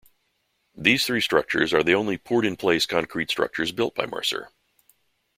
These three structures are the only poured-in-place concrete structures built by Mercer.